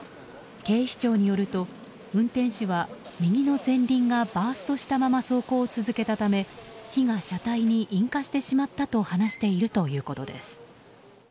警視庁によると運転手は右の前輪がバーストしたまま走行を続けたため火が車体に引火してしまったと話しているということです。